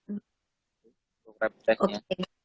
itu rapid test nya